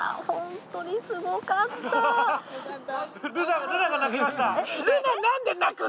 ホントにすごかった。